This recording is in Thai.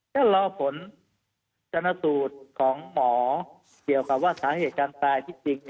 ก็รอผลชนสูตรของหมอเกี่ยวกับว่าสาเหตุการตายที่จริง